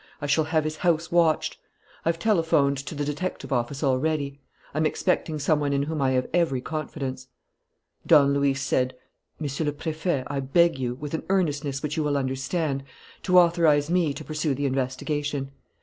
I shall have his house watched. I've telephoned to the detective office already. I'm expecting some one in whom I have every confidence." Don Luis said: "Monsieur le Préfet, I beg you, with an earnestness which you will understand, to authorize me to pursue the investigation.